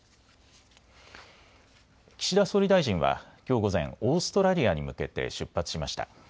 岸田総理大臣はきょう午前、オーストラリアに向けて出発しました。